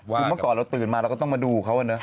คือเมื่อก่อนเราตื่นมาเราก็ต้องมาดูเขานะ